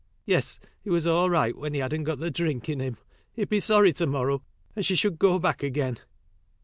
Yes, he was all right when he hadn't got the drink in him. He'd be sorry to morrow and she should go back again."